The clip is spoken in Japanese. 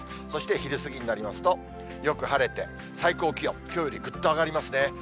そして昼過ぎになりますと、よく晴れて、最高気温、きょうよりぐっと上がりますね。